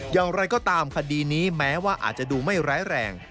อย่างไรก็ตามคดีนี้แม้ว่าอาจจะดูไม่ร้ายแรง